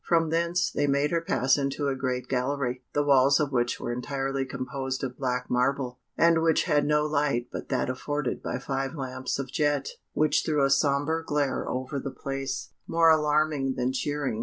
From thence they made her pass into a great gallery, the walls of which were entirely composed of black marble, and which had no light but that afforded by five lamps of jet, which threw a sombre glare over the place, more alarming than cheering.